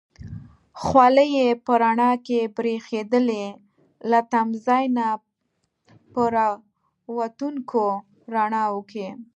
خولۍ یې په رڼا کې برېښېدلې، له تمځای نه په را وتونکو رڼاوو کې.